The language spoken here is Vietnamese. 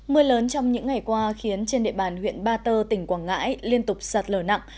mưa lớn trong những ngày qua khiến trên địa bàn huyện ba tơ tỉnh quảng ngãi liên tục sạt lở nặng